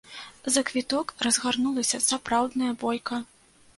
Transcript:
За квіток разгарнулася сапраўдная бойка.